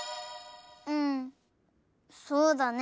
うんそうだね。